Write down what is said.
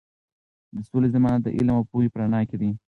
د سولې ضمانت د علم او پوهې په رڼا کې دی.